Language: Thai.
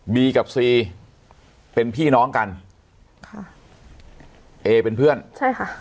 บีกับซีเป็นพี่น้องกันค่ะเอเป็นเพื่อนใช่ค่ะ